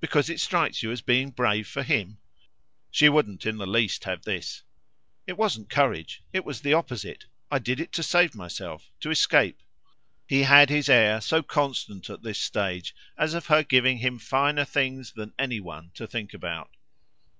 "Because it strikes you as being brave for him?" She wouldn't in the least have this. "It wasn't courage it was the opposite. I did it to save myself to escape." He had his air, so constant at this stage, as of her giving him finer things than any one to think about.